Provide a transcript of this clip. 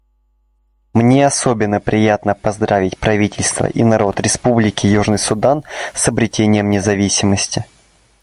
Мне особенно приятно поздравить правительство и народ Республики Южный Судан с обретением независимости.